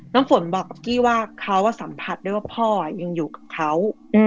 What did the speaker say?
น้ำฝนบอกกับกี้ว่าเขาสัมผัสได้ว่าพ่อยังอยู่กับเขา